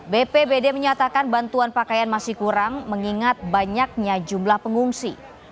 bpbd menyatakan bantuan pakaian masih kurang mengingat banyaknya jumlah pengungsi